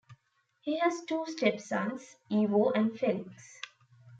He has two stepsons, Ivo and Felix.